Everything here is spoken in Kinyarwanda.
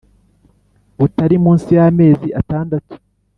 butari munsi y’amezi atandatu